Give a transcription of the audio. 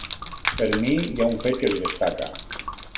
Per mi, hi ha un fet que es destaca.